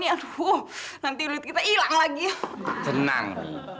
yaudah ke belakang